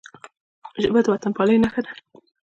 ژبه د وطنپالنې نښه ده